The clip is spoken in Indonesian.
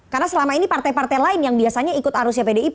karena selama ini partai partai lain yang biasanya ikut arusnya pdip